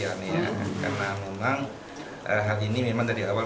karena memang hal ini memang dari awal